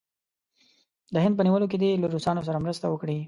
د هند په نیولو کې دې له روسانو سره مرسته وکړي.